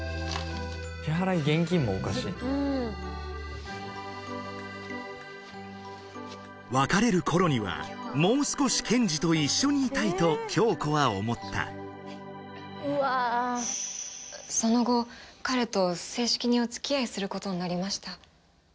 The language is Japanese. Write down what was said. ・うん別れる頃にはもう少し健二と一緒にいたいと恭子は思ったその後彼と正式にお付き合いすることになりました